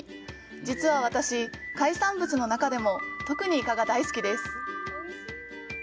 実は私、海産物の中でも特にイカが大好き！